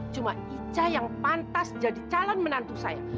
cuma ica yang pantas jadi calon menantu saya